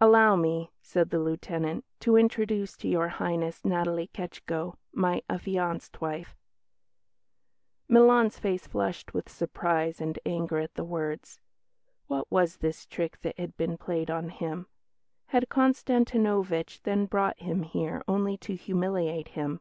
"Allow me," said the Lieutenant, "to introduce to Your Highness Natalie Ketschko, my affianced wife." Milan's face flushed with surprise and anger at the words. What was this trick that had been played on him? Had Konstantinovitch then brought him here only to humiliate him?